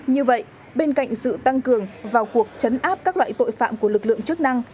như vậy bên cạnh sự tăng cường vào cuộc chấn áp các loại tội phạm của lực lượng chức năng